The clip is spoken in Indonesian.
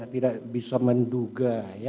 tidak bisa menduga ya